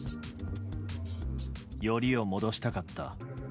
よりを戻したかった。